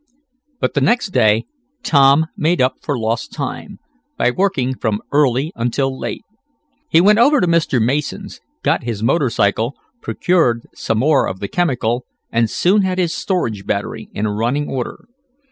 But the next day Tom made up for lost time, by working from early until late. He went over to Mr. Mason's, got his motor cycle, procured some more of the chemical, and soon had his storage battery in running order.